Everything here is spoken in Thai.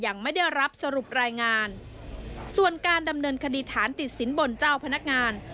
ยังไม่ได้รับสรุปรายงานส่วนการดำเนินคดีฐานติดสินบนเจ้าพนักงาน